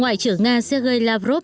ngoại trưởng nga sergei lavrov